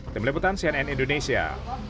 demi liputan cnn indonesia